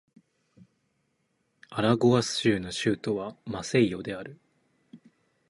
アラゴアス州の州都はマセイオである